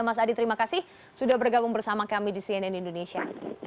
mas adi terima kasih sudah bergabung bersama kami di cnn indonesia